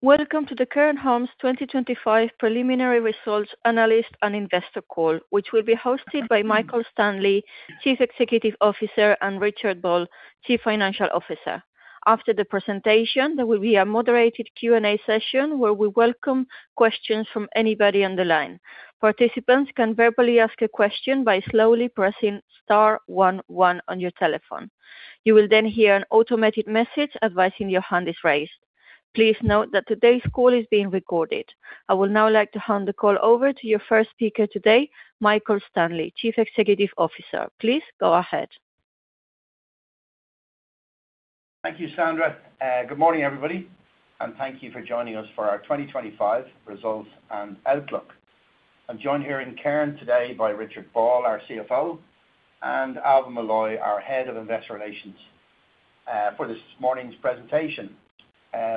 Welcome to the Cairn Homes 2025 preliminary results analyst and investor call, which will be hosted by Michael Stanley, Chief Executive Officer, and Richard Ball, Chief Financial Officer. After the presentation, there will be a moderated Q&A session where we welcome questions from anybody on the line. Participants can verbally ask a question by slowly pressing star one one on your telephone. You will then hear an automated message advising your hand is raised. Please note that today's call is being recorded. I would now like to hand the call over to your first speaker today, Michael Stanley, Chief Executive Officer. Please go ahead. Thank you, Sandra. Good morning, everybody, and thank you for joining us for our 2025 results and outlook. I'm joined here in Cairn today by Richard Ball, our CFO, and Ailbhe Molloy, our Head of Investor Relations, for this morning's presentation.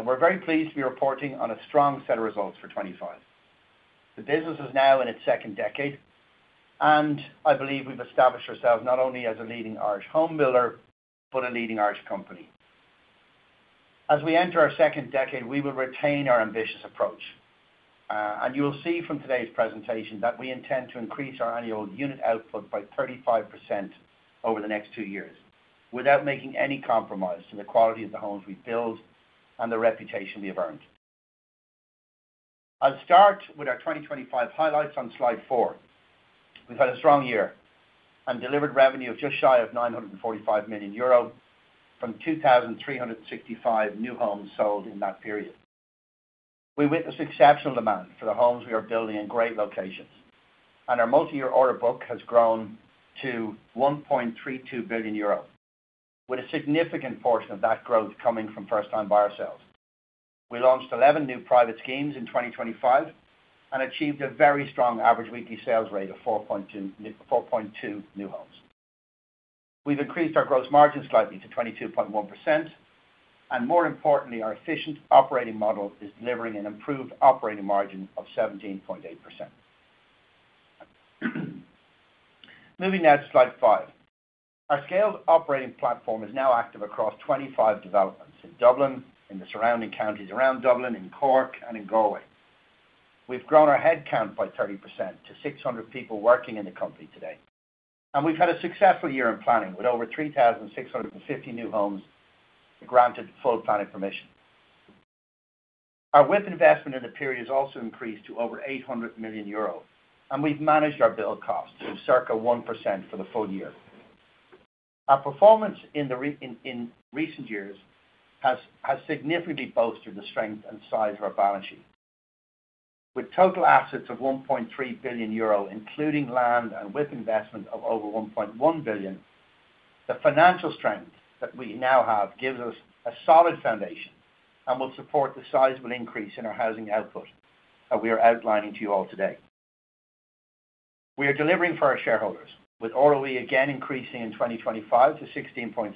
We're very pleased to be reporting on a strong set of results for 2025. The business is now in its second decade, and I believe we've established ourselves not only as a leading Irish home builder, but a leading Irish company. As we enter our second decade, we will retain our ambitious approach. You'll see from today's presentation that we intend to increase our annual unit output by 35% over the next two years without making any compromise to the quality of the homes we build and the reputation we have earned. I'll start with our 2025 highlights on slide four. We've had a strong year, delivered revenue of just shy of 945 million euro from 2,365 new homes sold in that period. We witnessed exceptional demand for the homes we are building in great locations. Our multiyear order book has grown to 1.32 billion euros, with a significant portion of that growth coming from first-time buyer sales. We launched 11 new private schemes in 2025 and achieved a very strong average weekly sales rate of 4.2 new homes. We've increased our gross margin slightly to 22.1%. More importantly, our efficient operating model is delivering an improved operating margin of 17.8%. Moving now to slide five. Our scaled operating platform is now active across 25 developments in Dublin, in the surrounding counties around Dublin, in Cork, and in Galway. We've grown our headcount by 30% to 600 people working in the company today, and we've had a successful year in planning with over 3,650 new homes granted full planning permission. Our WIP investment in the period has also increased to over 800 million euros, and we've managed our build cost to circa 1% for the full year. Our performance in recent years has significantly bolstered the strength and size of our balance sheet. With total assets of 1.3 billion euro, including land and WIP investment of over 1.1 billion, the financial strength that we now have gives us a solid foundation and will support the sizable increase in our housing output that we are outlining to you all today. We are delivering for our shareholders, with ROE again increasing in 2025 to 16.6%,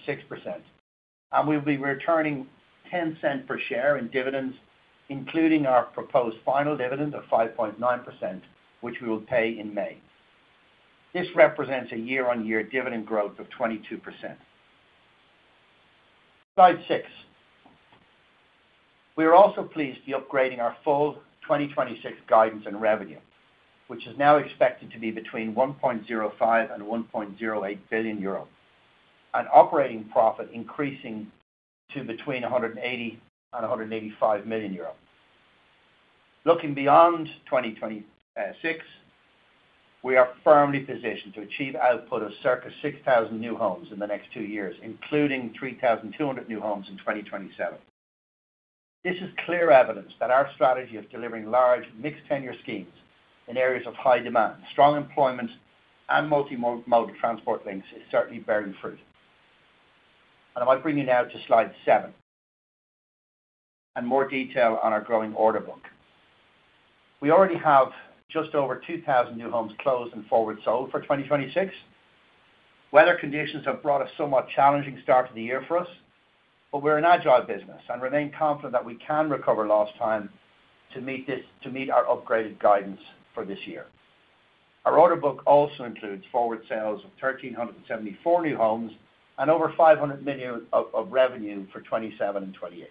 and we'll be returning 0.10 per share in dividends, including our proposed final dividend of 5.9%, which we will pay in May. This represents a year-on-year dividend growth of 22%. Slide six. We are also pleased to be upgrading our full 2026 guidance and revenue, which is now expected to be between 1.05 billion and 1.08 billion euro. An operating profit increasing to between 180 million and 185 million euro. Looking beyond 2026, we are firmly positioned to achieve output of circa 6,000 new homes in the next two years, including 3,200 new homes in 2027. This is clear evidence that our strategy of delivering large mixed tenure schemes in areas of high demand, strong employment, and multimodal transport links is certainly bearing fruit. I might bring you now to slide seven. More detail on our growing order book. We already have just over 2,000 new homes closed and forward sold for 2026. Weather conditions have brought a somewhat challenging start to the year for us, but we're an agile business and remain confident that we can recover lost time to meet our upgraded guidance for this year. Our order book also includes forward sales of 1,374 new homes and over 500 million of revenue for 2027 and 2028.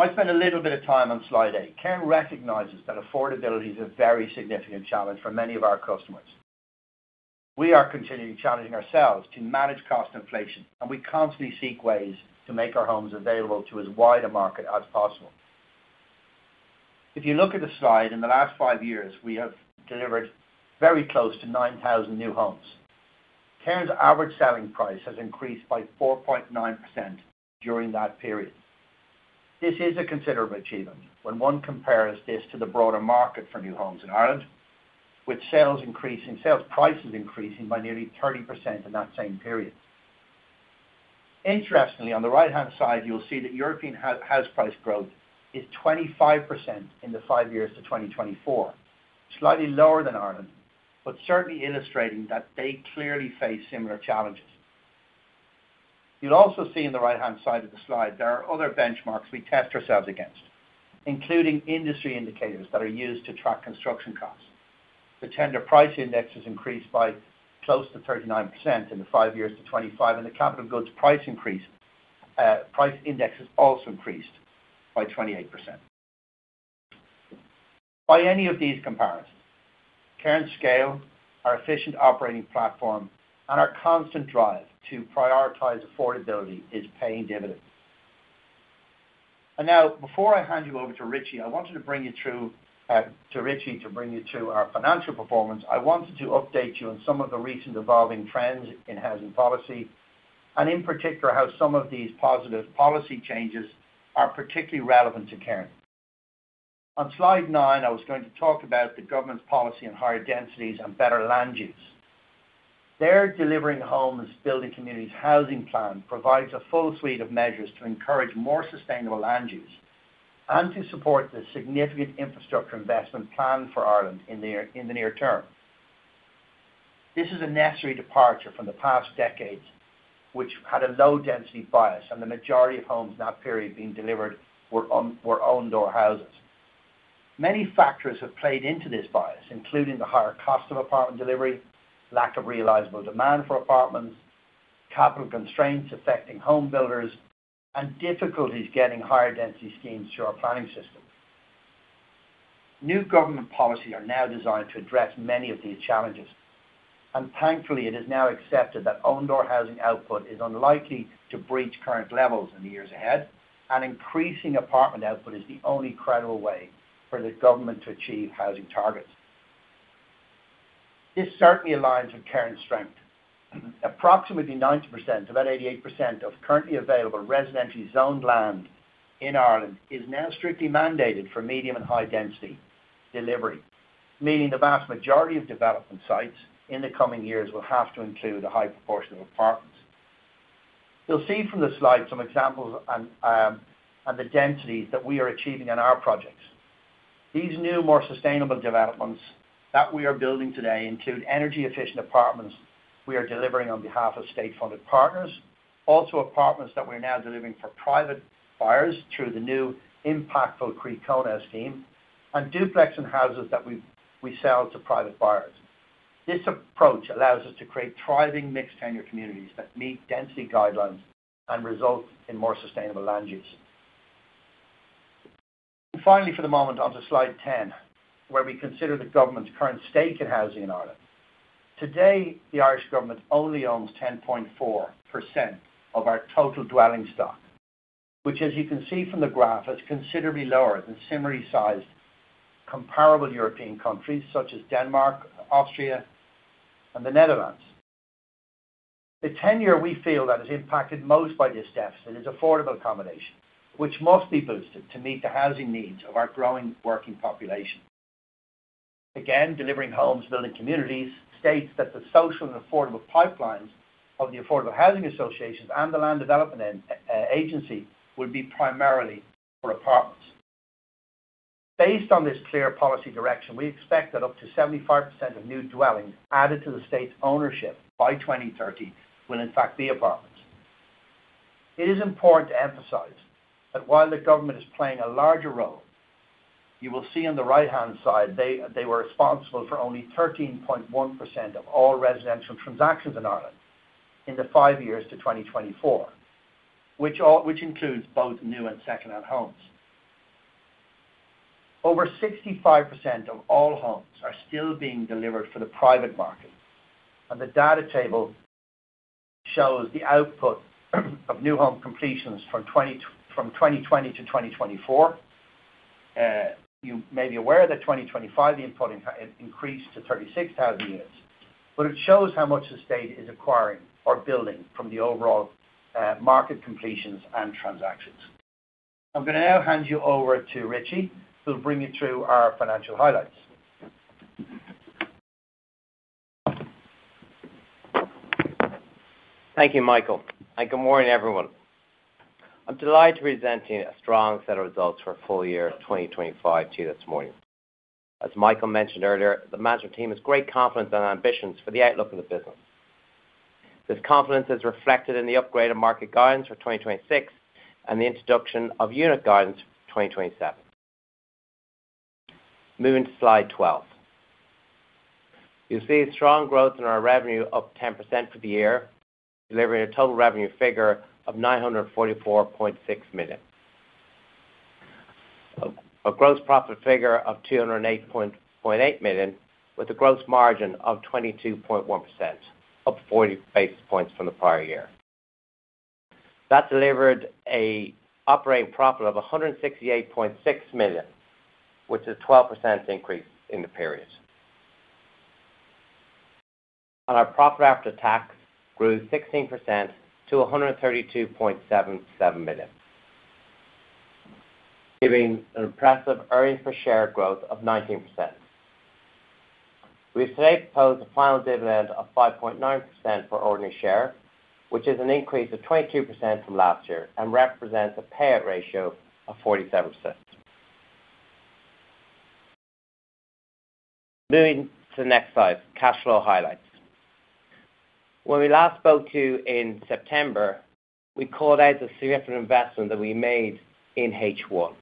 I might spend a little bit of time on slide eight. Cairn recognizes that affordability is a very significant challenge for many of our customers. We are continuing challenging ourselves to manage cost inflation, and we constantly seek ways to make our homes available to as wide a market as possible. If you look at the slide, in the last five years, we have delivered very close to 9,000 new homes. Cairn's average selling price has increased by 4.9% during that period. This is a considerable achievement when one compares this to the broader market for new homes in Ireland, with sales prices increasing by nearly 30% in that same period. Interestingly, on the right-hand side, you'll see that European house price growth is 25% in the five years to 2024. Slightly lower than Ireland, certainly illustrating that they clearly face similar challenges. You'll also see in the right-hand side of the slide, there are other benchmarks we test ourselves against, including industry indicators that are used to track construction costs. The Tender Price Index has increased by close to 39% in the five years to 2025, and the Capital Goods Price Index has also increased by 28%. By any of these comparisons, current scale, our efficient operating platform and our constant drive to prioritize affordability is paying dividends. Before I hand you over to Richie, to bring you to our financial performance. I wanted to update you on some of the recent evolving trends in housing policy, and in particular, how some of these positive policy changes are particularly relevant to Cairn. On slide nine, I was going to talk about the government's policy on higher densities and better land use. Their Delivering Homes, Building Communities housing plan provides a full suite of measures to encourage more sustainable land use and to support the significant infrastructure investment plan for Ireland in the near term. This is a necessary departure from the past decades, which had a low density bias, and the majority of homes in that period being delivered were own-door houses. Many factors have played into this bias, including the higher cost of apartment delivery, lack of realizable demand for apartments, capital constraints affecting home builders, and difficulties getting higher density schemes through our planning system. New government policy are now designed to address many of these challenges. And thankfully, it is now accepted that own-door housing output is unlikely to breach current levels in the years ahead, and increasing apartment output is the only credible way for the government to achieve housing targets. This certainly aligns with Cairn's strength. Approximately 90%, about 88% of currently available residentially zoned land in Ireland is now strictly mandated for medium and high density delivery, meaning the vast majority of development sites in the coming years will have to include a high proportion of apartments. You'll see from the slide some examples and the densities that we are achieving in our projects. These new, more sustainable developments that we are building today include energy-efficient apartments we are delivering on behalf of state-funded partners. Also, apartments that we're now delivering for private buyers through the new impactful Croí Cónaithe scheme, and duplex and houses that we sell to private buyers. This approach allows us to create thriving mixed tenure communities that meet density guidelines and result in more sustainable land use. Finally, for the moment, on to slide 10, where we consider the government's current stake in housing in Ireland. Today, the Irish government only owns 10.4% of our total dwelling stock, which, as you can see from the graph, is considerably lower than similarly sized comparable European countries such as Denmark, Austria, and the Netherlands. The tenure we feel that is impacted most by this deficit is affordable accommodation, which must be boosted to meet the housing needs of our growing working population. Delivering Homes, Building Communities states that the social and affordable pipelines of the affordable housing associations and the Land Development Agency will be primarily for apartments. Based on this clear policy direction, we expect that up to 75% of new dwellings added to the state's ownership by 2030 will in fact be apartments. It is important to emphasize that while the government is playing a larger role, you will see on the right-hand side they were responsible for only 13.1% of all residential transactions in Ireland in the five years to 2024, which includes both new and second-hand homes. Over 65% of all homes are still being delivered for the private market, and the data table shows the output of new home completions from 2020-2024. You may be aware that 2025, the input increased to 36,000 units. It shows how much the state is acquiring or building from the overall market completions and transactions. I'm gonna now hand you over to Richie, who'll bring you through our financial highlights. Thank you, Michael. Good morning, everyone. I'm delighted to be presenting a strong set of results for full year 2025 to you this morning. As Michael mentioned earlier, the management team has great confidence and ambitions for the outlook of the business. This confidence is reflected in the upgraded market guidance for 2026 and the introduction of unit guidance for 2027. Moving to slide 12. You'll see strong growth in our revenue up 10% for the year, delivering a total revenue figure of 944.6 million. A gross profit figure of 208.8 million with a gross margin of 22.1%, up 40 basis points from the prior year. That delivered a operating profit of 168.6 million, which is a 12% increase in the period. Our profit after tax grew 16% to 132.77 million, giving an impressive earnings per share growth of 19%. We've today proposed a final dividend of 5.9% for ordinary share, which is an increase of 22% from last year and represents a payout ratio of 47%. Moving to the next slide, cash flow highlights. When we last spoke to you in September, we called out the significant investment that we made in H1.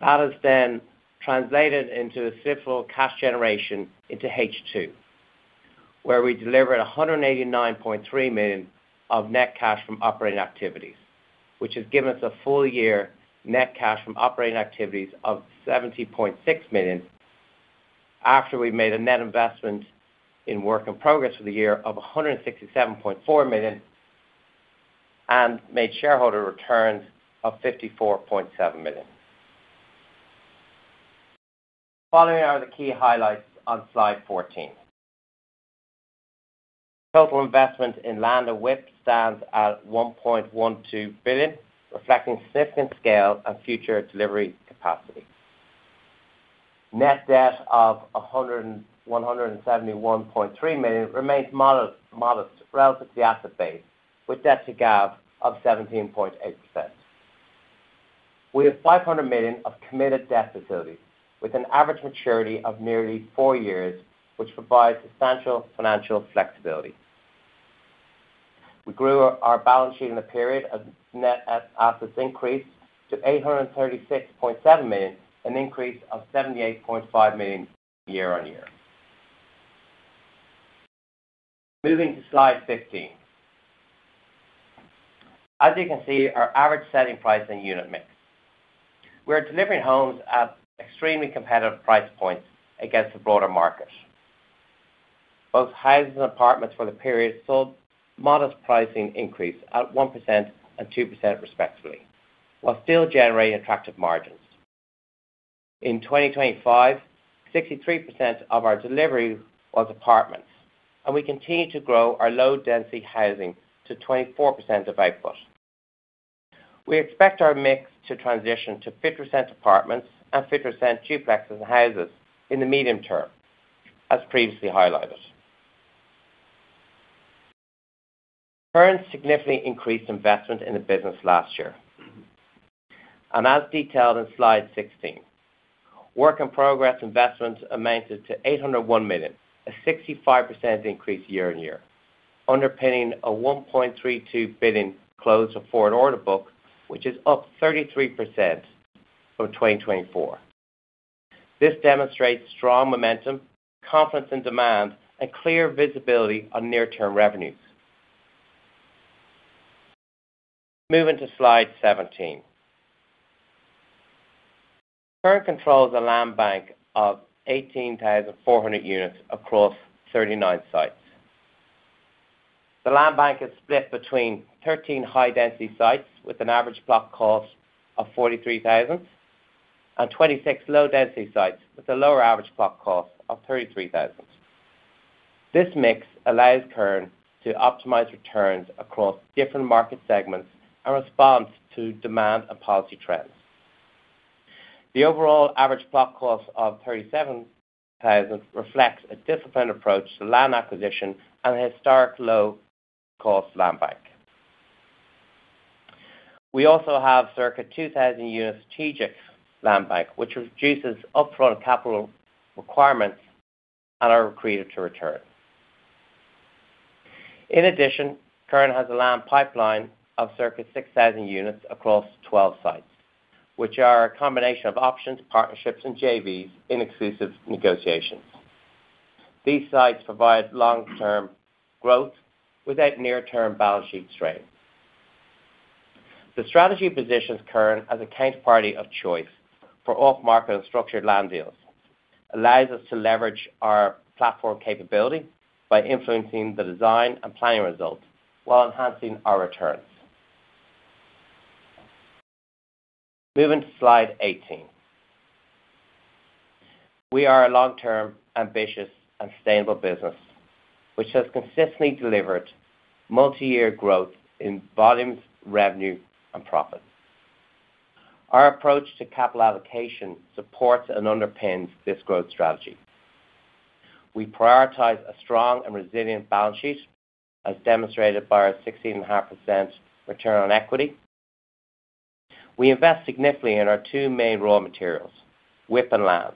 That has translated into a sinful cash generation into H2, where we delivered 189.3 million of net cash from operating activities, which has given us a full year net cash from operating activities of 70.6 million after we made a net investment in work in progress for the year of 167.4 million and made shareholder returns of 54.7 million. Following are the key highlights on slide 14. Total investment in land and WIP stands at 1.12 billion, reflecting significant scale and future delivery capacity. Net debt of 171.3 million remains modest relative to the asset base with debt to GAV of 17.8%. We have 500 million of committed debt facilities with an average maturity of nearly 4 years, which provides substantial financial flexibility. We grew our balance sheet in the period of net as-assets increase to 836.7 million, an increase of 78.5 million year-on-year. Moving to slide 15. As you can see our average selling price and unit mix. We are delivering homes at extremely competitive price points against the broader market. Both houses and apartments for the period sold modest pricing increase at 1% and 2% respectively, while still generating attractive margins. In 2025, 63% of our delivery was apartments, and we continue to grow our low density housing to 24% of output. We expect our mix to transition to 50% apartments and 50% duplexes and houses in the medium term, as previously highlighted. Cairn significantly increased investment in the business last year. As detailed in slide 16, work in progress investments amounted to 801 million, a 65% increase year-on-year, underpinning a 1.32 billion close of forward order book, which is up 33% from 2024. This demonstrates strong momentum, confidence in demand, and clear visibility on near-term revenues. Moving to slide 17. Cairn controls a land bank of 18,400 units across 39 sites. The land bank is split between 13 high-density sites with an average plot cost of 43,000 and 26 low-density sites with a lower average plot cost of 33,000. This mix allows Cairn to optimize returns across different market segments and respond to demand and policy trends. The overall average plot cost of 37,000 reflects a disciplined approach to land acquisition and a historic low cost land bank. We also have circa 2,000 unit strategic land bank which reduces upfront capital requirements and are accretive to return. In addition, Cairn has a land pipeline of circa 6,000 units across 12 sites, which are a combination of options, partnerships, and JVs in exclusive negotiations. These sites provide long-term growth without near-term balance sheet strain. The strategy positions Cairn as a counterparty of choice for off-market and structured land deals. Allows us to leverage our platform capability by influencing the design and planning results while enhancing our returns. Moving to slide 18. We are a long-term, ambitious and sustainable business which has consistently delivered multiyear growth in volumes, revenue and profit. Our approach to capital allocation supports and underpins this growth strategy. We prioritize a strong and resilient balance sheet, as demonstrated by our 16.5% ROE. We invest significantly in our two main raw materials, WIP and land.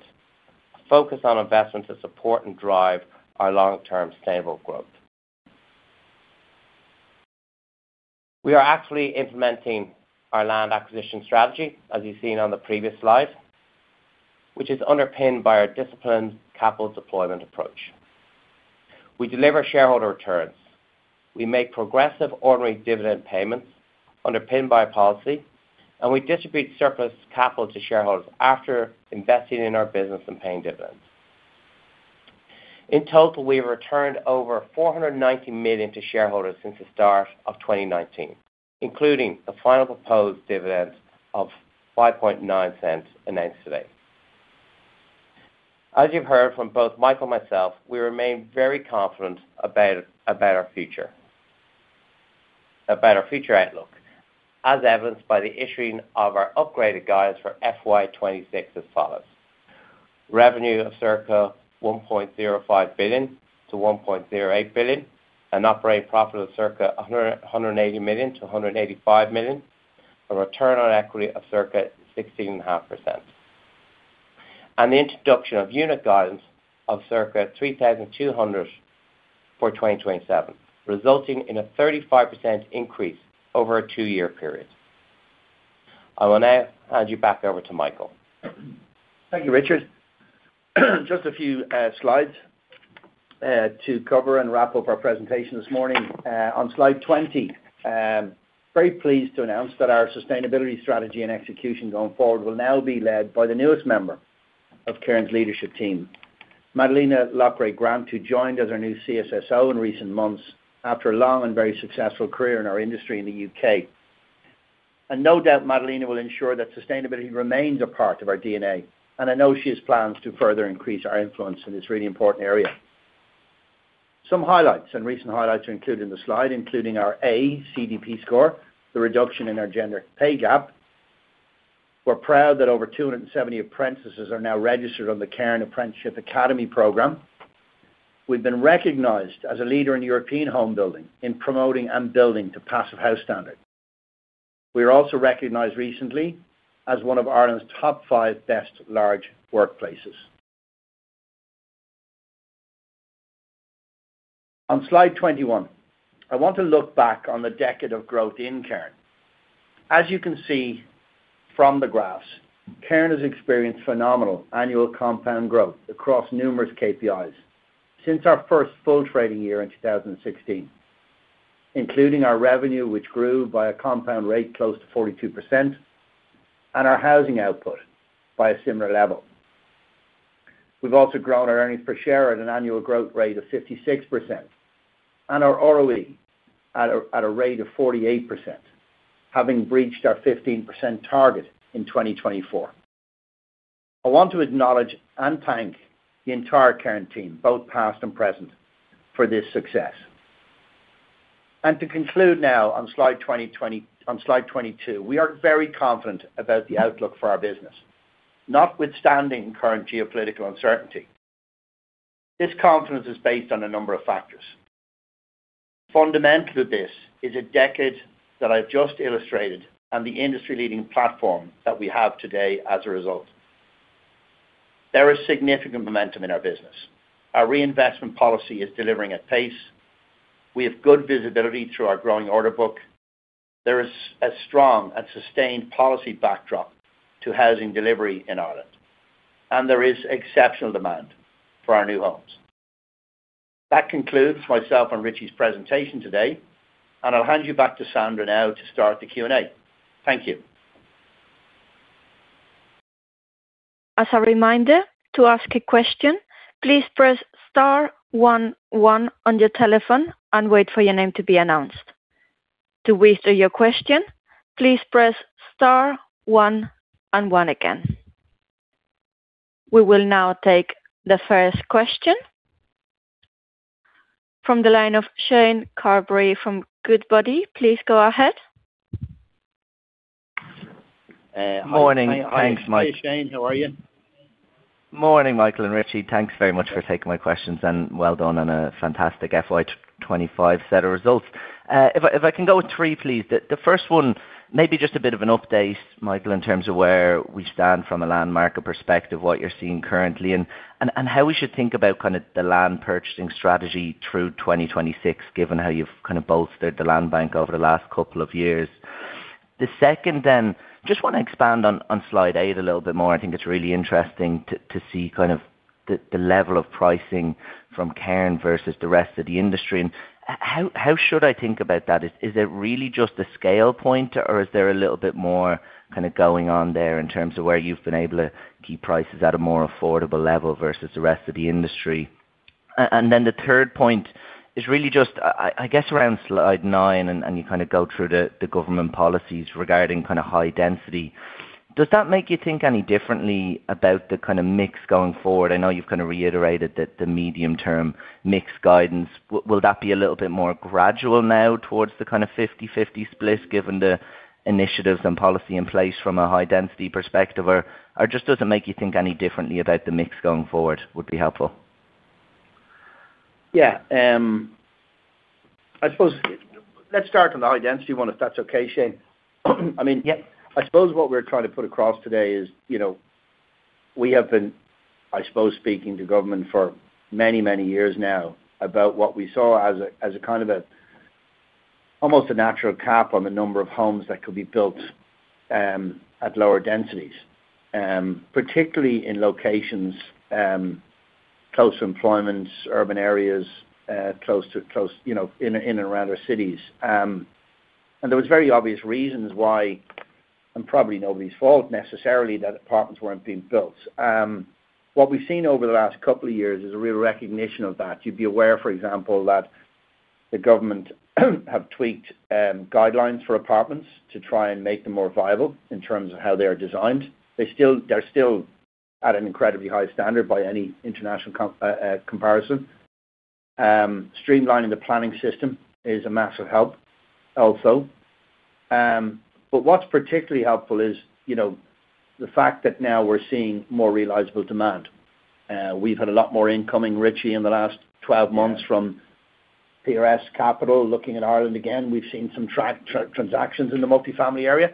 A focus on investments that support and drive our long-term sustainable growth. We are actively implementing our land acquisition strategy, as you've seen on the previous slide, which is underpinned by our disciplined capital deployment approach. We deliver shareholder returns. We make progressive ordinary dividend payments underpinned by policy, and we distribute surplus capital to shareholders after investing in our business and paying dividends. In total, we have returned over 490 million to shareholders since the start of 2019, including the final proposed dividend of 0.059 announced today. As you've heard from both Mike and myself, we remain very confident about our future outlook, as evidenced by the issuing of our upgraded guidance for FY 2026 as follows: revenue of circa 1.05 billion-1.08 billion, an operating profit of circa 180 million-185 million, a return on equity of circa 16.5%. The introduction of unit guidance of circa 3,200 for 2027, resulting in a 35% increase over a two-year period. I will now hand you back over to Michael. Thank you, Richard. Just a few slides to cover and wrap up our presentation this morning. On slide 20, very pleased to announce that our sustainability strategy and execution going forward will now be led by the newest member of Cairn's leadership team, Madeleina Loughrey-Grant, who joined as our new CSSO in recent months after a long and very successful career in our industry in the U.K. No doubt Madeleina will ensure that sustainability remains a part of our DNA, and I know she has plans to further increase our influence in this really important area. Some highlights and recent highlights are included in the slide, including our A CDP score, the reduction in our gender pay gap. We're proud that over 270 apprentices are now registered on the Cairn Apprenticeship Academy program. We've been recognized as a leader in European home building in promoting and building to Passive House standard. We are also recognized recently as one of Ireland's Top 5 Best Large Workplaces. On slide 21, I want to look back on the decade of growth in Cairn. As you can see from the graphs, Cairn has experienced phenomenal annual compound growth across numerous KPIs since our first full trading year in 2016, including our revenue, which grew by a compound rate close to 42% and our housing output by a similar level. We've also grown our earnings per share at an annual growth rate of 56% and our ROE at a rate of 48%, having breached our 15% target in 2024. I want to acknowledge and thank the entire Cairn team, both past and present, for this success. To conclude now on slide 22, we are very confident about the outlook for our business, notwithstanding current geopolitical uncertainty. This confidence is based on a number of factors. Fundamental to this is a decade that I've just illustrated and the industry-leading platform that we have today as a result. There is significant momentum in our business. Our reinvestment policy is delivering at pace. We have good visibility through our growing order book. There is a strong and sustained policy backdrop to housing delivery in Ireland, and there is exceptional demand for our new homes. That concludes myself and Richie's presentation today, and I'll hand you back to Sandra now to start the Q&A. Thank you. As a reminder, to ask a question, please press star one one on your telephone and wait for your name to be announced. To withdraw your question, please press star one and one again. We will now take the first question. From the line of Shane Carberry from Goodbody, please go ahead. Morning. Thanks, Mike. Hi, Shane. How are you? Morning, Michael and Richie. Well done on a fantastic FY 2025 set of results. If I can go with three, please. The first one, maybe just a bit of an update, Michael, in terms of where we stand from a land market perspective, what you're seeing currently and how we should think about kind of the land purchasing strategy through 2026, given how you've kind of bolstered the land bank over the last couple of years. The second then, just wanna expand on slide eight a little bit more. I think it's really interesting to see kind of the level of pricing from Cairn versus the rest of the industry. How should I think about that? Is it really just a scale point or is there a little bit more kind of going on there in terms of where you've been able to keep prices at a more affordable level versus the rest of the industry? Then the third point is really just I guess around slide nine and you kind of go through the government policies regarding kind of high density. Does that make you think any differently about the kind of mix going forward? I know you've kind of reiterated that the medium term mix guidance. Will that be a little bit more gradual now towards the kind of 50/50 split given the initiatives and policy in place from a high density perspective? Or just does it make you think any differently about the mix going forward would be helpful. I suppose let's start on the high density one if that's okay, Shane. I mean. Yeah I suppose what we're trying to put across today is, you know, we have been, I suppose, speaking to government for many, many years now about what we saw as a kind of a, almost a natural cap on the number of homes that could be built, at lower densities, particularly in locations, close to employments, urban areas, close to, you know, in and around our cities. There was very obvious reasons why, and probably nobody's fault necessarily, that apartments weren't being built. What we've seen over the last couple of years is a real recognition of that. You'd be aware, for example, that the government have tweaked, guidelines for apartments to try and make them more viable in terms of how they are designed. They're still at an incredibly high standard by any international comparison. Streamlining the planning system is a massive help also. But what's particularly helpful is, you know, the fact that now we're seeing more realizable demand. We've had a lot more incoming, Richie, in the last 12 months from PRS Capital looking at Ireland again. We've seen some transactions in the multifamily area.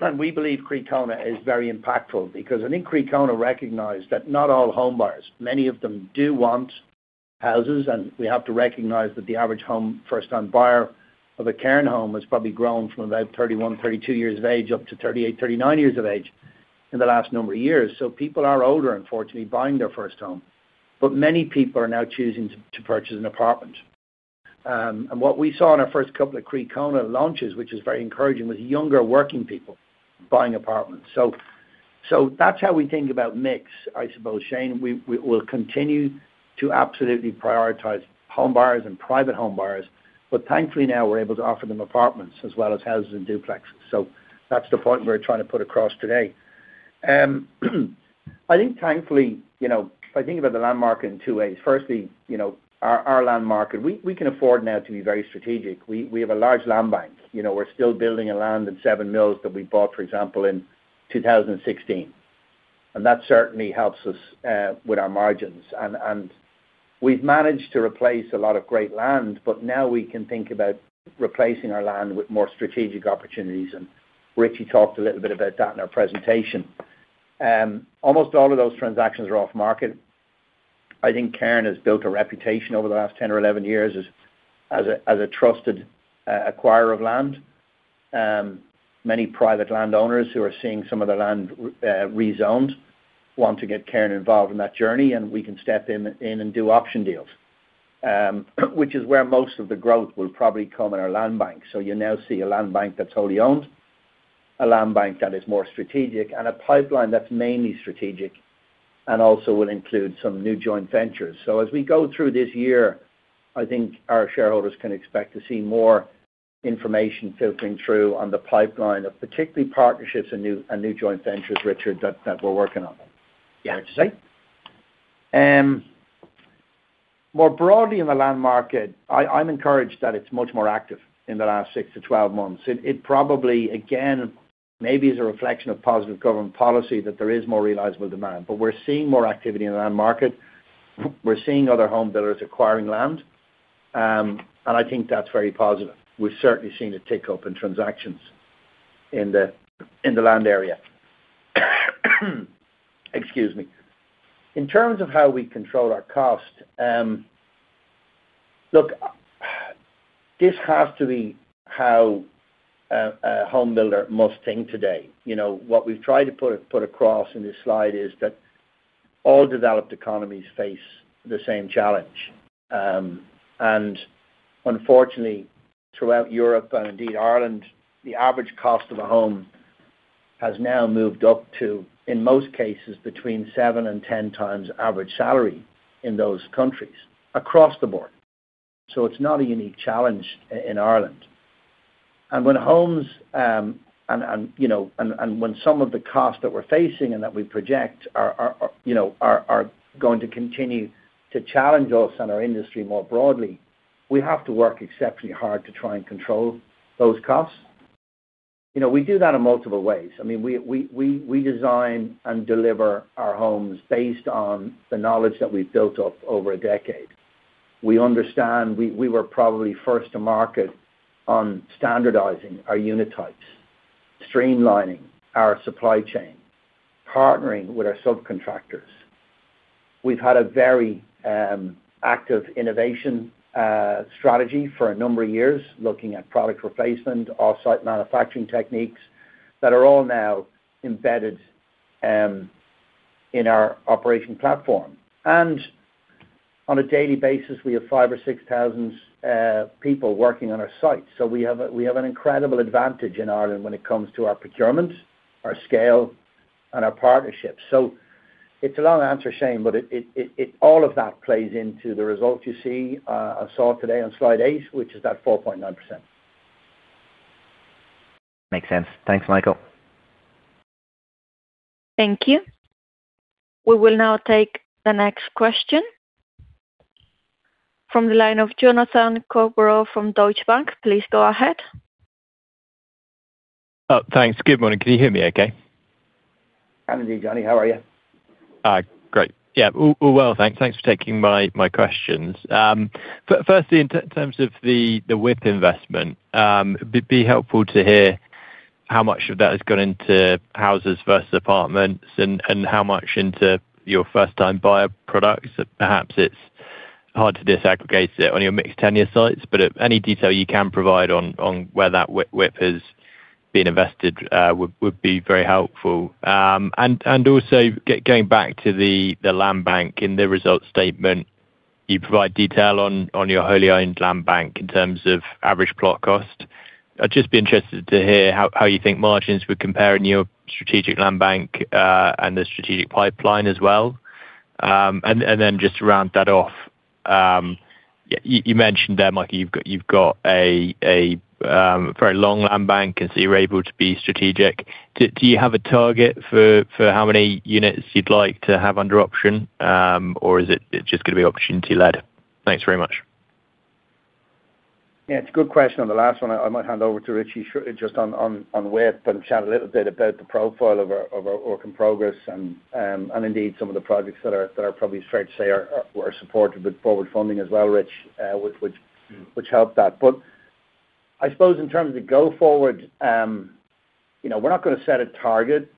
And we believe Croí Cónaithe is very impactful, because I think Croí Cónaithe recognized that not all homebuyers, many of them do want houses, and we have to recognize that the average home first-time buyer of a Cairn home has probably grown from about 31, 32 years of age up to 38, 39 years of age in the last number of years. So people are older, unfortunately, buying their first home, but many people are now choosing to purchase an apartment. What we saw in our first couple of Croí Cónaithe launches, which is very encouraging, was younger working people buying apartments. That's how we think about mix, I suppose Shane. We will continue to absolutely prioritize homebuyers and private homebuyers. Thankfully now we're able to offer them apartments as well as houses and duplexes. That's the point we're trying to put across today. I think thankfully, you know, if I think about the land market in two ways, firstly, you know, our land market, we can afford now to be very strategic. We have a large land bank. You know, we're still building a land in Seven Mills that we bought, for example, in 2016, and that certainly helps us with our margins. We've managed to replace a lot of great land, but now we can think about replacing our land with more strategic opportunities. Richie talked a little bit about that in our presentation. Almost all of those transactions are off market. I think Cairn has built a reputation over the last 10 or 11 years as a trusted acquirer of land. Many private landowners who are seeing some of their land rezoned want to get Cairn involved in that journey, and we can step in and do option deals. Which is where most of the growth will probably come in our land bank. You now see a land bank that's wholly owned, a land bank that is more strategic, and a pipeline that's mainly strategic and also will include some new joint ventures. As we go through this year, I think our shareholders can expect to see more information filtering through on the pipeline of particularly partnerships and new joint ventures, Richard, that we're working on. Yeah. Would you say? More broadly in the land market, I'm encouraged that it's much more active in the last 6 months-12 months. It probably, again, maybe is a reflection of positive government policy that there is more realisable demand. We're seeing more activity in the land market. We're seeing other home builders acquiring land, and I think that's very positive. We've certainly seen a tick up in transactions in the land area. Excuse me. In terms of how we control our cost, look, this has to be how a home builder must think today. You know what we've tried to put across in this slide is that all developed economies face the same challenge. Unfortunately throughout Europe and indeed Ireland, the average cost of a home has now moved up to, in most cases between 7x-10x average salary in those countries across the board. It's not a unique challenge in Ireland. When homes, and, you know, and when some of the costs that we're facing and that we project are, are, you know, are going to continue to challenge us and our industry more broadly, we have to work exceptionally hard to try and control those costs. You know, we do that in multiple ways. I mean, we, we design and deliver our homes based on the knowledge that we've built up over a decade. We understand we were probably first to market on standardizing our unit types, streamlining our supply chain, partnering with our subcontractors. We've had a very active innovation strategy for a number of years looking at product replacement, offsite manufacturing techniques that are all now embedded in our operation platform. On a daily basis, we have 5,000 or 6,000 people working on our site. We have a, we have an incredible advantage in Ireland when it comes to our procurement, our scale, and our partnerships. It's a long answer, Shane, but it all of that plays into the results you see and saw today on slide eight, which is that 4.9%. Makes sense. Thanks, Michael. Thank you. We will now take the next question from the line of Jonathan Coubrough from Deutsche Bank. Please go ahead. Thanks. Good morning. Can you hear me okay? I can hear you, Johnny. How are you? Great. Yeah. All well. Thanks for taking my questions. Firstly, in terms of the WIP investment, helpful to hear how much of that has gone into houses versus apartments and how much into your first time buyer products. Perhaps it's hard to disaggregate it on your mixed tenure sites, but any detail you can provide on where that WIP has been invested would be very helpful. Going back to the land bank in the result statement, you provide detail on your wholly owned land bank in terms of average plot cost. I'd just be interested to hear how you think margins would compare in your strategic land bank and the strategic pipeline as well. Just to round that off, you mentioned there, Michael, you've got a very long land bank and so you're able to be strategic. Do you have a target for how many units you'd like to have under option? Is it just gonna be opportunity led? Thanks very much. Yeah, it's a good question on the last one. I might hand over to Richie just on WIP and chat a little bit about the profile of our work in progress and indeed some of the projects that are probably fair to say are supported with forward funding as well, Richie, which helped that. I suppose in terms of go forward, you know, we're not gonna set a target.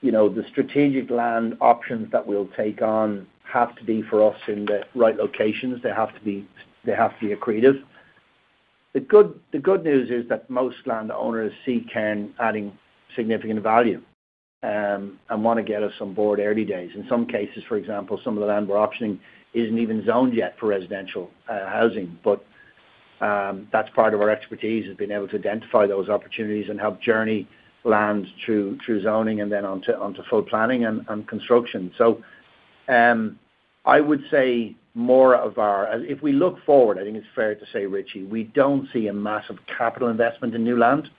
You know, the strategic land options that we'll take on have to be for us in the right locations. They have to be accretive. The good news is that most land owners see Cairn adding significant value and wanna get us on board early days. In some cases, for example, some of the land we're optioning isn't even zoned yet for residential housing. That's part of our expertise, has been able to identify those opportunities and help journey land through zoning and then onto full planning and construction. I would say If we look forward, I think it's fair to say, Richie, we don't see a massive capital investment in new land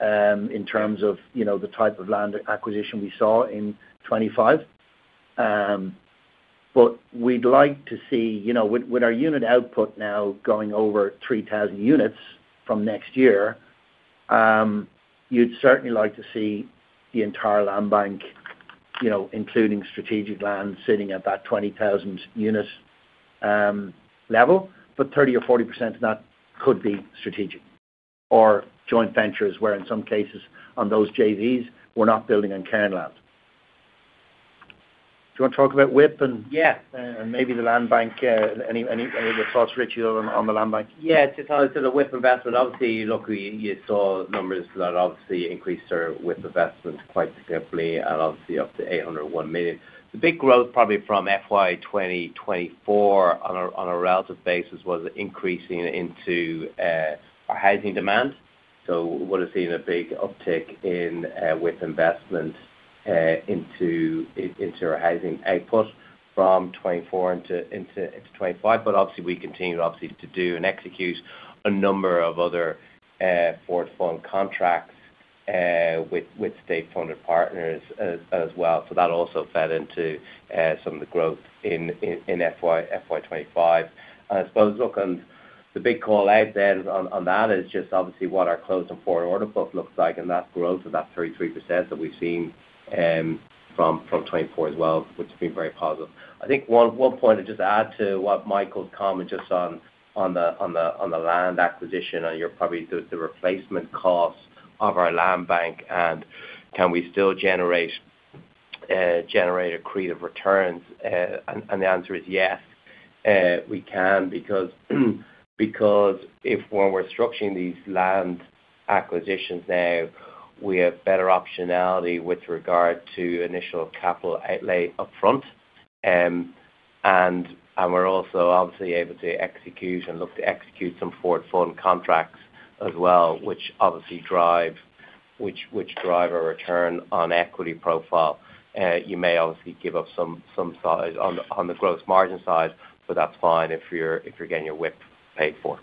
in terms of, you know, the type of land acquisition we saw in 2025. We'd like to see, you know, with our unit output now going over 3,000 units from next year, you'd certainly like to see the entire land bank, you know, including strategic land sitting at that 20,000 unit level. 30% or 40% of that could be strategic or joint ventures, where in some cases on those JVs, we're not building on Cairn land. Do you wanna talk about WIP? Yeah. Maybe the land bank. Any other thoughts, Richie, on the land bank? Just on the WIP investment, obviously, look, you saw numbers that obviously increased our WIP investment quite significantly and obviously up to 801 million. The big growth probably from FY 2024 on a relative basis was increasing into our housing demand. Would've seen a big uptick in WIP investment into our housing output from 2024 into 2025. Obviously we continued obviously to do and execute a number of other forward fund contracts with state funded partners as well. That also fed into some of the growth in FY 2025. I suppose, look, the big call out on that is just obviously what our closed and forward order book looks like, and that growth of that 33% that we've seen from 2024 as well, which has been very positive. I think one point I'd just add to what Michael's commented just on the land acquisition and you're probably do the replacement costs of our land bank and can we still generate accretive returns. The answer is yes, we can because if when we're structuring these land acquisitions now, we have better optionality with regard to initial capital outlay upfront. We're also obviously able to execute and look to execute some forward fund contracts as well, which obviously drive, which drive our return on equity profile. You may obviously give up some size on the gross margin side, but that's fine if you're getting your WIP paid for.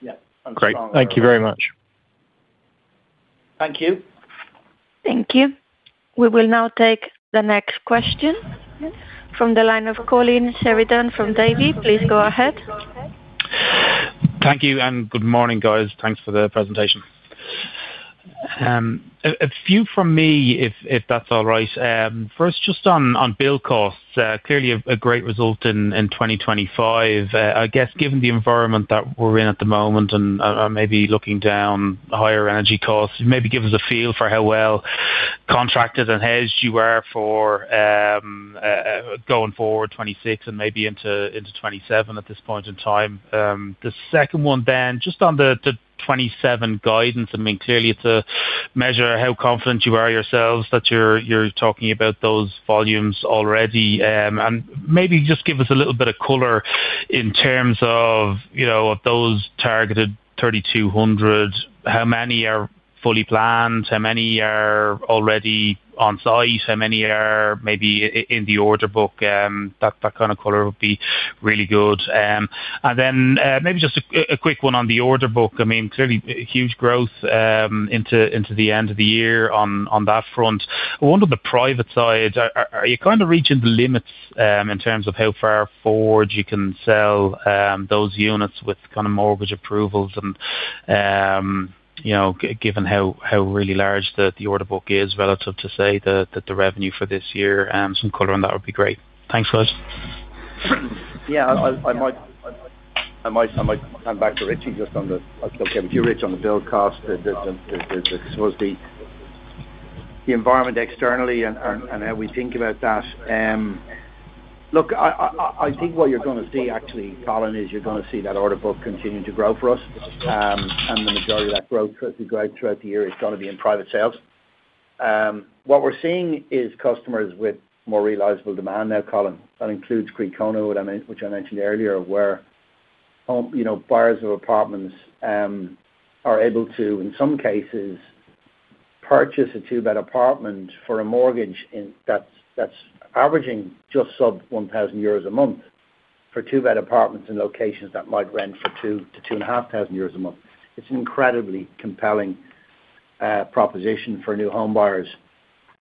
Yeah. Great. Thank you very much. Thank you. Thank you. We will now take the next question from the line of Colin Sheridan from Davy. Please go ahead. Thank you. Good morning, guys. Thanks for the presentation. A few from me if that's all right. First, just on build costs, clearly a great result in 2025. I guess given the environment that we're in at the moment and maybe looking down higher energy costs, maybe give us a feel for how well contracted and hedged you are for going forward 2026 and maybe into 2027 at this point in time. The second one, just on the 2027 guidance, I mean, clearly it's a measure how confident you are yourselves that you're talking about those volumes already. Maybe just give us a little bit of color in terms of, you know, of those targeted 3,200, how many are fully planned, how many are already on site, how many are maybe in the order book. That kind of color would be really good. Then maybe just a quick one on the order book. I mean, clearly huge growth into the end of the year on that front. I wonder the private side, are you kind of reaching the limits in terms of how far forward you can sell those units with kind of mortgage approvals and, you know, given how really large the order book is relative to, say, the revenue for this year. Some color on that would be great. Thanks, guys. Yeah. I might come back to Richie just on the, Okay if you Richie, on the build cost, the supposedly the environment externally and how we think about that. Look, I think what you're gonna see actually, Colin, is you're gonna see that order book continuing to grow for us. The majority of that growth throughout the year is gonna be in private sales. What we're seeing is customers with more realizable demand now, Colin. That includes Croí Cónaithe which I mentioned earlier, where home, you know, buyers of apartments are able to, in some cases, purchase a two-bed apartment for a mortgage that's averaging just sub 1,000 euros a month for two-bed apartments in locations that might rent for 2,000-2,500 euros a month. It's an incredibly compelling proposition for new home buyers.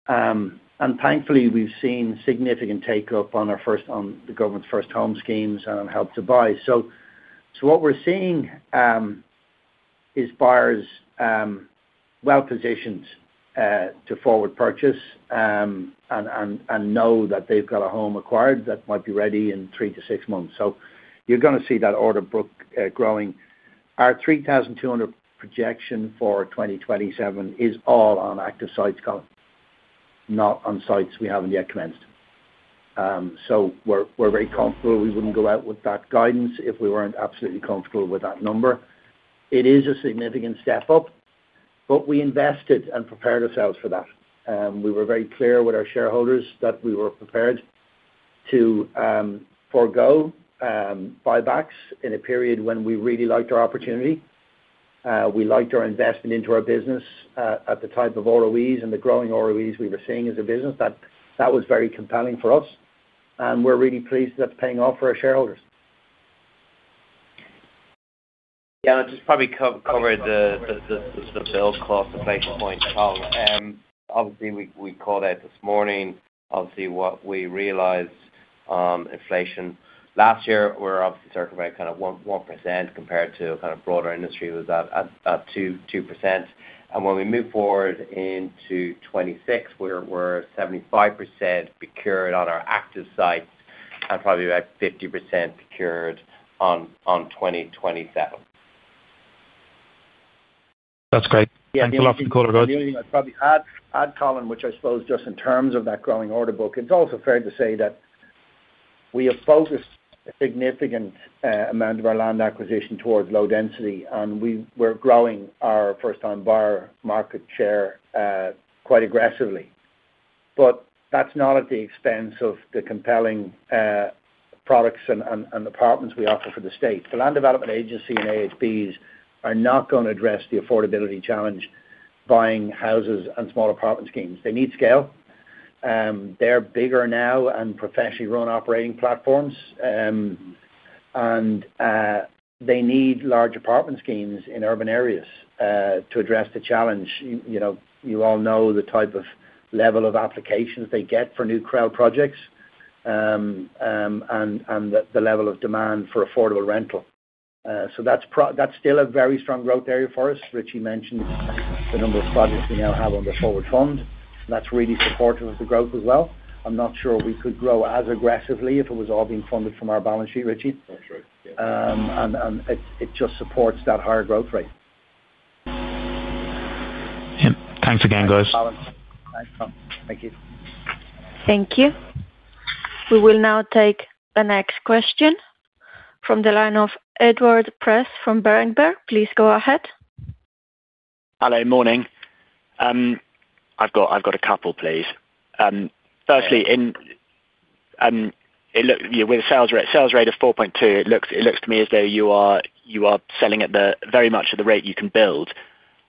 Thankfully we've seen significant take up on our first on the government's First Home Scheme and Help to Buy. What we're seeing is buyers well-positioned to forward purchase and know that they've got a home acquired that might be ready in three to six months. You're gonna see that order book growing. Our 3,200 projection for 2027 is all on active sites, Colin, not on sites we haven't yet commenced. We're very comfortable we wouldn't go out with that guidance if we weren't absolutely comfortable with that number. It is a significant step up. We invested and prepared ourselves for that. We were very clear with our shareholders that we were prepared to forgo buybacks in a period when we really liked our opportunity. We liked our investment into our business at the type of ROEs and the growing ROEs we were seeing as a business. That was very compelling for us, and we're really pleased that's paying off for our shareholders. Yeah. Just probably cover the build cost inflation point, Colin. obviously we called out this morning obviously what we realized inflation last year were obviously circa about kind of 1% compared to kind of broader industry was at 2%. When we move forward into 2026, we're 75% procured on our active sites and probably about 50% procured on 2027. That's great. Thanks a lot. Call it a day. The only thing I'd probably add Colin, which I suppose just in terms of that growing order book, it's also fair to say that we have focused a significant amount of our land acquisition towards low density, and we're growing our first time buyer market share quite aggressively. That's not at the expense of the compelling products and apartments we offer for the state. The Land Development Agency and AHBs are not gonna address the affordability challenge buying houses and small apartment schemes. They need scale. They're bigger now and professionally run operating platforms. They need large apartment schemes in urban areas to address the challenge. You know, you all know the type of level of applications they get for new crowd projects, and the level of demand for affordable rental. That's still a very strong growth area for us. Richie mentioned the number of projects we now have on the forward fund. That's really supportive of the growth as well. I'm not sure we could grow as aggressively if it was all being funded from our balance sheet, Richie. That's right. Yeah. It just supports that higher growth rate. Yep. Thanks again, guys. Thanks, Colin. Thank you. Thank you. We will now take the next question from the line of Edward Prest from Berenberg. Please go ahead. Hello. Morning. I've got a couple please. Firstly, in, with a sales rate of 4.2, it looks to me as though you are selling at the very much at the rate you can build.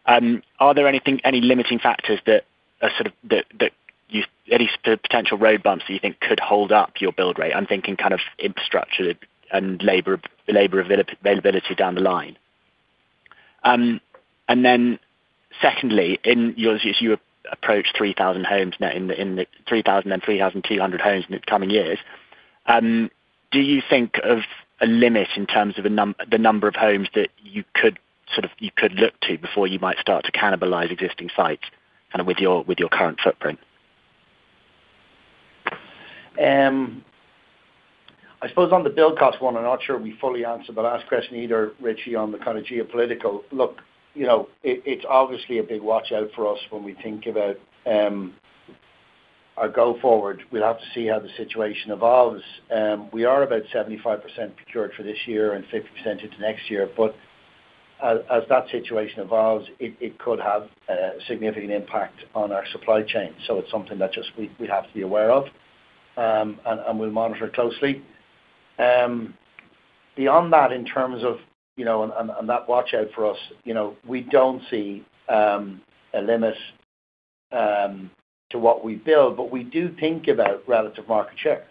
Are there anything, any limiting factors that are sort of that you, any potential road bumps that you think could hold up your build rate? I'm thinking kind of infrastructure and labor availability down the line. Secondly, in your as you approach 3,000 homes now in the 3,000 and 3,200 homes in the coming years, do you think of a limit in terms of the number of homes that you could sort of you could look to before you might start to cannibalize existing sites and with your, with your current footprint? I suppose on the build cost one, I'm not sure we fully answered the last question either, Richie, on the kind of geopolitical look. You know, it's obviously a big watch out for us when we think about our go forward. We'll have to see how the situation evolves. We are about 75% procured for this year and 50% into next year. As that situation evolves, it could have a significant impact on our supply chain. It's something that just we have to be aware of, and we'll monitor closely. Beyond that, in terms of, you know, and that watch out for us, you know, we don't see a limit to what we build, but we do think about relative market share.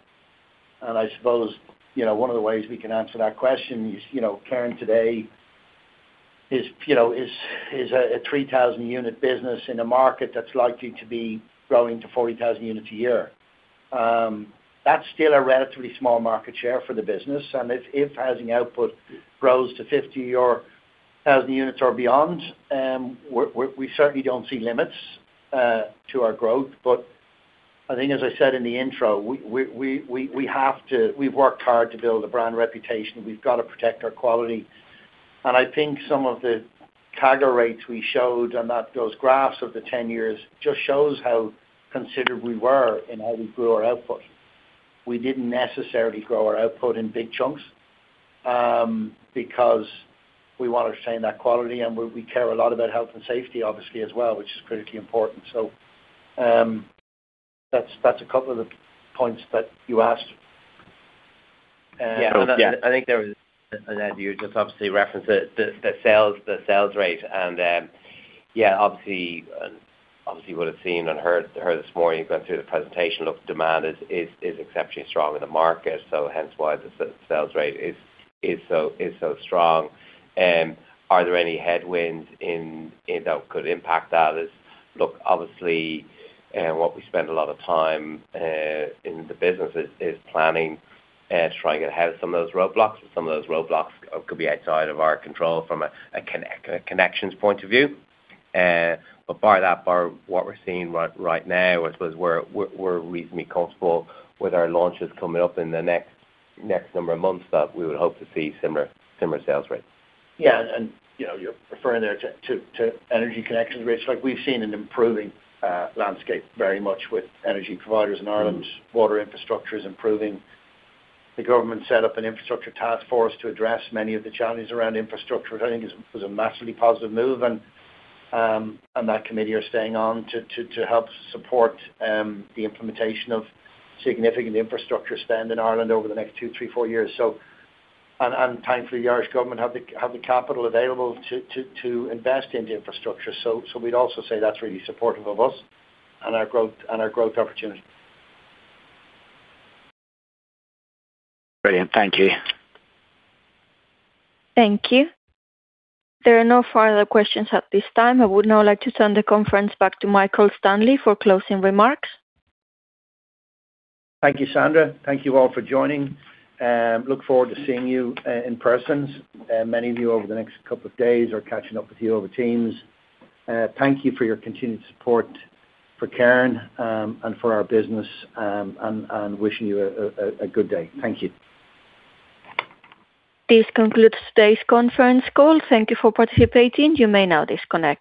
I suppose, you know, one of the ways we can answer that question is, you know, Cairn today is, you know, is a 3,000 unit business in a market that's likely to be growing to 40,000 units a year. That's still a relatively small market share for the business. If housing output grows to 50 or 1,000 units or beyond, we certainly don't see limits to our growth. I think as I said in the intro, we have to. We've worked hard to build a brand reputation. We've got to protect our quality. I think some of the cargo rates we showed on that, those graphs of the 10 years just shows how considered we were in how we grew our output. We didn't necessarily grow our output in big chunks, because we wanna sustain that quality and we care a lot about health and safety obviously as well, which is critically important. That's a couple of the points that you asked. Yeah. I think there was an edge you just obviously referenced the sales rate. Yeah, obviously you would have seen and heard this morning going through the presentation, look, demand is exceptionally strong in the market, hence why the sales rate is so strong. Are there any headwinds in that could impact that is look obviously, what we spend a lot of time in the business is planning, trying to get ahead of some of those roadblocks. Some of those roadblocks could be outside of our control from a connections point of view. But what we're seeing right now, I suppose we're reasonably comfortable with our launches coming up in the next number of months that we would hope to see similar sales rates. Yeah. You know, you're referring there to energy connections rates like we've seen in improving landscape very much with energy providers in Ireland. Water infrastructure is improving. The government set up an Accelerating Infrastructure Taskforce to address many of the challenges around infrastructure, which I think is, was a massively positive move. That committee are staying on to help support the implementation of significant infrastructure spend in Ireland over the next two, three, four years. Thankfully the Irish government have the capital available to invest into infrastructure. We'd also say that's really supportive of us and our growth and our growth opportunity. Brilliant. Thank you. Thank you. There are no further questions at this time. I would now like to turn the conference back to Michael Stanley for closing remarks. Thank you, Sandra. Thank you all for joining. Look forward to seeing you in person, many of you over the next couple of days or catching up with you over Teams. Thank you for your continued support for Cairn, and for our business, and wishing you a good day. Thank you. This concludes today's conference call. Thank you for participating. You may now disconnect.